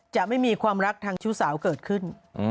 จะไม่มีความรักทางชู้สาวเกิดขึ้น